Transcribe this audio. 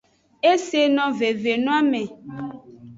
E se no veve noame.